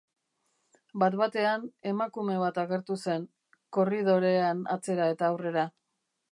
Bat-batean, emakume bat agertu zen, korridorean atzera eta aurrera.